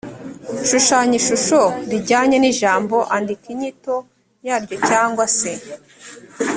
shushanya ishusho rijyanye n ijambo andika inyito yaryo cyangwa se